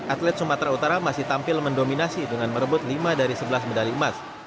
atlet sumatera utara masih tampil mendominasi dengan merebut lima dari sebelas medali emas